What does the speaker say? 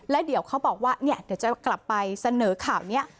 แล้วเดี๋ยวเขาบอกว่าเดี๋ยวจะกลับไปเสนอข่าวนี้